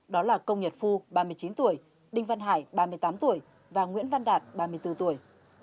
đó là công nhật phu ba mươi chín tuổi đinh văn hải ba mươi tám tuổi và nguyễn văn đạt ba mươi bốn tuổi